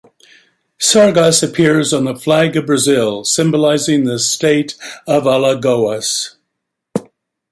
Sargas appears on the flag of Brazil, symbolising the state of Alagoas.